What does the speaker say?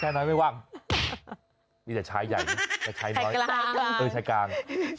น้อยไม่ว่างมีแต่ชายใหญ่แต่ชายน้อยเออชายกลาง